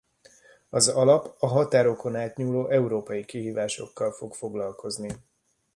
Az alap a határokon átnyúló európai kihívásokkal fog foglalkozni.